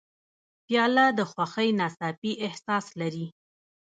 پیاله د خوښۍ ناڅاپي احساس لري.